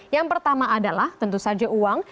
yang pertama adalah tentu saja uang